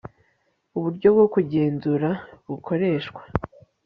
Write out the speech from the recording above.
uburyo bwo kugenzura bukoreshwa